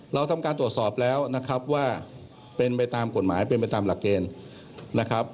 เราทำการตรวจสอบแล้วนะครับว่าเป็นไปตามกฎหมายเป็นไปตามหลักเกณฑ์นะครับ